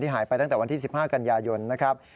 หายไปตั้งแต่วันที่๑๕กันยายนนะครับ